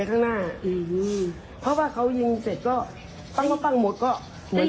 จังหวะนั้นได้ยินเสียงปืนรัวขึ้นหลายนัดเลย